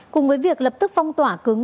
cùng với việc lập tức phong tỏa cứng